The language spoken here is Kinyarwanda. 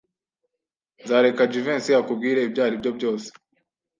Nzareka Jivency akubwire ibyaribyo byose.